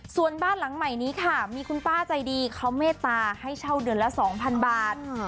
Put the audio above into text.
ส่วนบ้านหลังใหม่นี้ค่ะมีคุณป้าใจดีเขาเมตตาให้เช่าเดือนละ๒๐๐บาท